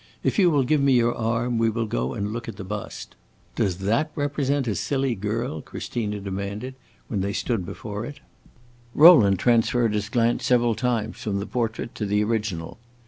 "If you will give me your arm, we will go and look at the bust." "Does that represent a silly girl?" Christina demanded, when they stood before it. Rowland transferred his glance several times from the portrait to the original.